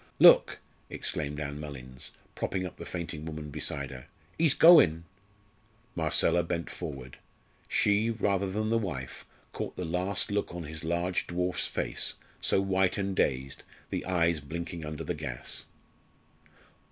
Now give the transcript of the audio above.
"Look!" exclaimed Ann Mullins, propping up the fainting woman beside her, "he's goin'." Marcella bent forward. She, rather than the wife, caught the last look on his large dwarf's face, so white and dazed, the eyes blinking under the gas.